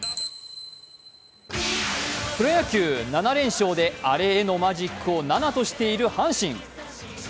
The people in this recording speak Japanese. プロ野球、７連勝でアレへのマジックを７としている阪神。